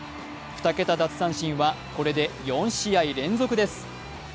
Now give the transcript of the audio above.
２桁奪三振はこれで４試合連続です。